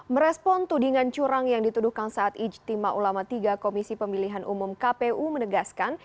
merespon tudingan curang yang dituduhkan saat ijtima ulama tiga komisi pemilihan umum kpu menegaskan